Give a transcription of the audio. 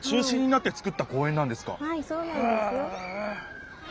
はいそうなんですよ。へえ。